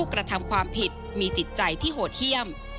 กระทำความผิดมีจิตใจที่โหดเยี่ยม